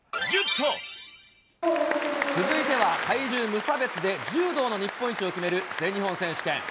続いては、体重無差別で柔道の日本一を決める全日本選手権。